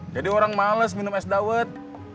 jadi orang males minum es dawet